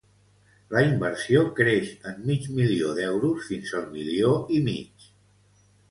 La inversió creix en mig milió d'euros fins al milió i mig.